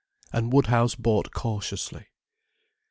And Woodhouse bought cautiously.